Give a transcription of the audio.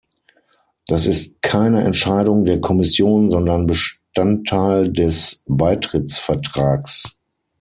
Das ist keine Entscheidung der Kommission, sondern Bestandteil des Beitrittsvertrags.